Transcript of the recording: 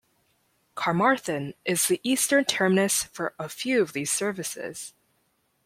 Carmarthen is the eastern terminus for a few of these services.